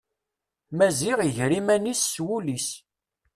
Maziɣ iger iman-is s wul-is.